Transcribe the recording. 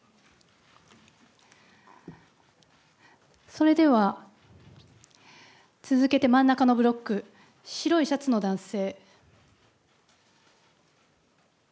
それでは、続けて真ん中のブロック、白いシャツの男性。